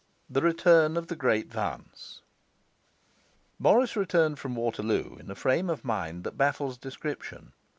The Return of the Great Vance Morris returned from Waterloo in a frame of mind that baffles description.